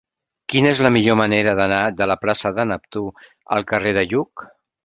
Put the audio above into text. Quina és la millor manera d'anar de la plaça de Neptú al carrer de Lluc?